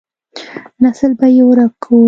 نسل به يې ورک کو.